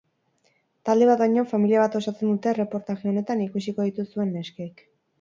Talde bat baino, familia bat osatzen dute erreportaje honetan ikusiko dituzuen neskek.